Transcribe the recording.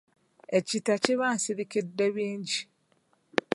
Ekita kiba nsirikiddebingi.